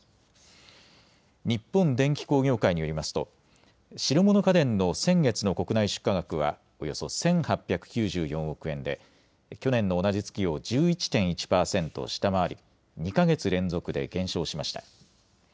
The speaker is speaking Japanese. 日本電機工業会によりますと、白物家電の先月の国内出荷額はおよそ１８９４億円で去年の同じ月を１１．１％下回り２か月連続で減少しました。